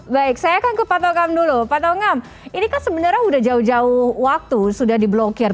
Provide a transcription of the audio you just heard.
baik saya akan ke pak togam dulu pak tongam ini kan sebenarnya sudah jauh jauh waktu sudah diblokir